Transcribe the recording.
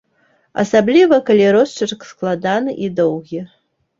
Асабліва калі росчырк складаны і доўгі.